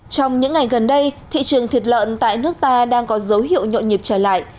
trong những ngày gần đây thị trường thịt lợn tại nước ta đang có dấu hiệu nhộn nhịp trở lại